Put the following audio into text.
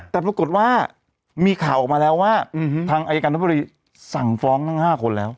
แต่ปรากฏว่ามีข่าวออกมาแล้วว่าทางอายการทบุรีสั่งฟ้องทั้ง๕คนแล้ว